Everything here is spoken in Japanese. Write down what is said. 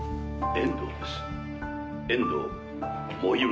遠藤萌です。